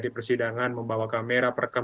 di persidangan membawa kamera perekam